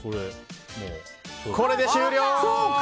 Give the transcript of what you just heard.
これで終了！